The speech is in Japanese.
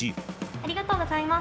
ありがとうございます。